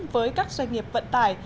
với các doanh nghiệp vận tải